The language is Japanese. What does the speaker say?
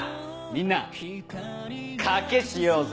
みんな賭けしようぜ。